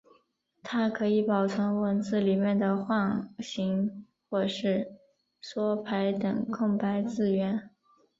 它可以保存文字里面的换行或是缩排等空白字元。